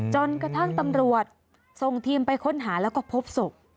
จนกระทั่งตำรวจส่งทีมไปค้นหาแล้วก็พบศพ